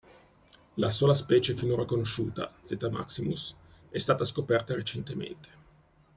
La sola specie finora conosciuta, "Z. maximus", è stata scoperta recentemente.